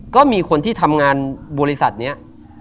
ก็มีคนที่ทำงานบริษัทนี้